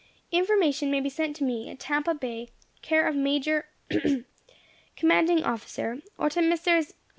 "Information may be sent to me at Tampa Bay, care of Major , commanding officer; or to Messrs.